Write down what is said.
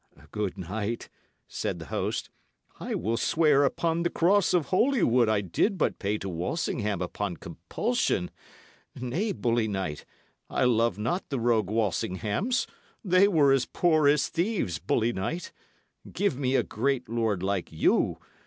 "Good knight," said the host, "I will swear upon the cross of Holywood I did but pay to Walsingham upon compulsion. Nay, bully knight, I love not the rogue Walsinghams; they were as poor as thieves, bully knight. Give me a great lord like you.